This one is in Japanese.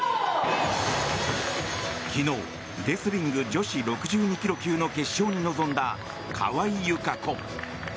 昨日レスリング女子６２ｋｇ級の決勝に臨んだ川井友香子。